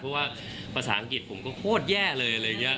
เพราะว่าภาษาอังกฤษผมก็โคตรแย่เลย